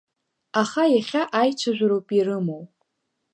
Аха иахьа аицәажәароуп ирымоу.